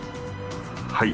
はい。